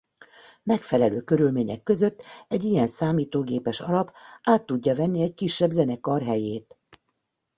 Megfelelő körülmények között egy ilyen számítógépes alap át tudja venni egy kisebb zenekar helyét.